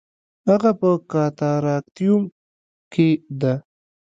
هغه په کاتاراکتیوم کې ده